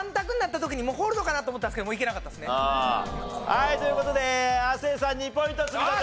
はいという事で亜生さん２ポイント積み立て！